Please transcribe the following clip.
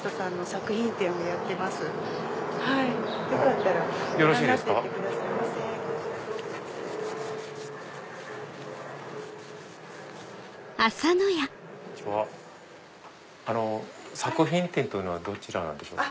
作品展というのはどちらなんでしょう？